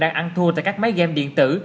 đang ăn thua tại các máy game điện tử